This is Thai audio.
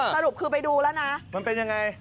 สรุปคือไปดูแล้วนะมันเป็นยังไง